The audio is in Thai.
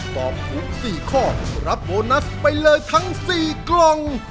ตอบถูก๔ข้อรับโบนัสไปเลยทั้ง๔กล่อง